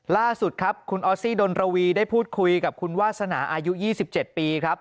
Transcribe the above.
ล่าสุดครับคุณออสซี่ดนรวีได้พูดคุยกับคุณวาสนาอายุ๒๗ปีครับ